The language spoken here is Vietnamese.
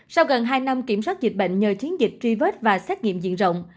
và bằng cách kiểm soát dịch bệnh nhờ chiến dịch tri vết và xét nghiệm diện rộng